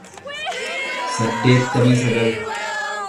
saddeettamii sagal